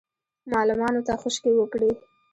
معلمانو ته خشکې وکړې.